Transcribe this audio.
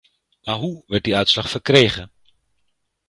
Maar hoe werd die uitslag verkregen?